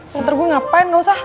motor gue ngapain gak usah